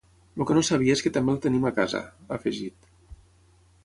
El que no sabia és que també el tenim a casa…, ha afegit.